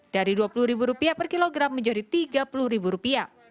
dari rp dua puluh per kilogram menjadi rp tiga puluh